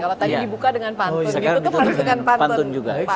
kalau tadi dibuka dengan pantun